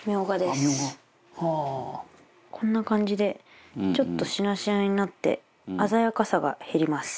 こんな感じでちょっとしなしなになって鮮やかさが減ります。